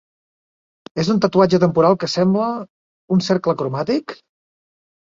És un tatuatge temporal que sembla...un cercle cromàtic?